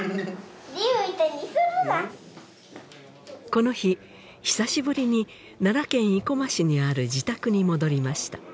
この日久しぶりに奈良県生駒市にある自宅に戻りました